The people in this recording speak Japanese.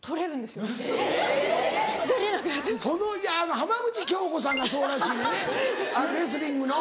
浜口京子さんがそうらしいねんレスリングの。